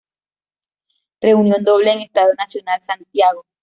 Reunión doble en Estadio Nacional, Santiago